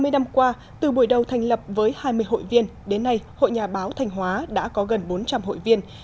hai mươi năm qua từ buổi đầu thành lập với hai mươi hội viên đến nay hội nhà báo thành hóa đã có gần bốn trăm linh hội viên